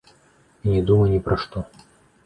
І не думай ні пра што.